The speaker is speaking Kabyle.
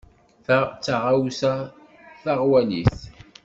Ta d taɣawsa taɣwalit.